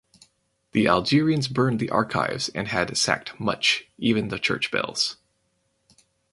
The Algerians burned the archives and had sacked much even the church bells.